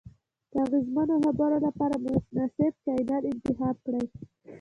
د اغیزمنو خبرو لپاره مناسب چینل انتخاب کړئ.